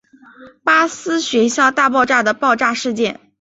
巴斯学校大爆炸的爆炸事件。